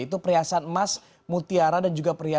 itu perhiasan emas mutiara dan juga perhiasan